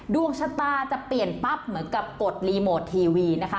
ดวงชะตาจะเปลี่ยนปั๊บเหมือนกับกดรีโมททีวีนะคะ